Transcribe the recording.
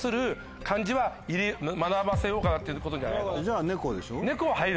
じゃあ「猫」でしょ。